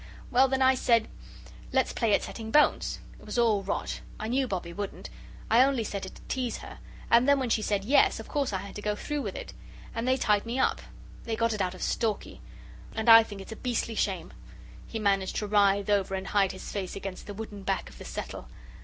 "Well then I said, 'Let's play at setting bones.' It was all rot. I knew Bobbie wouldn't. I only said it to tease her. And then when she said 'yes,' of course I had to go through with it. And they tied me up. They got it out of Stalky. And I think it's a beastly shame." He managed to writhe over and hide his face against the wooden back of the settle.